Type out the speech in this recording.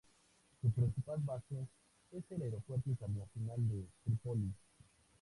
Su principal base es el Aeropuerto Internacional de Trípoli.